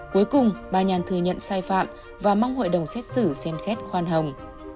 cuối cùng bà nhàn thừa nhận sai phạm và mong hội đồng xét xử xem xét khoan hồng